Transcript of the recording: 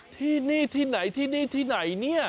ที่นี่ที่ไหนที่นี่ที่ไหนเนี่ย